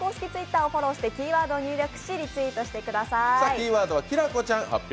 キーワードはきらこちゃん発表